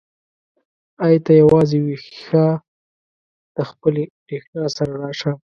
ای ته یوازې ويښه د خپلې برېښنا سره راشه.